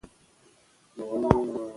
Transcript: هغه یو ملي مشر او یو ستر مبارز و.